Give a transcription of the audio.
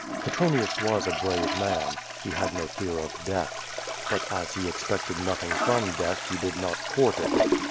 Petronius was a brave man. He had no fear of death. But as he expected nothing from death he did not court it.